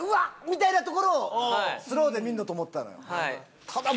みたいなところをスローで見んだと思ったのよ。